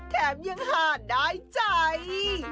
แถมยังห่าดายใจ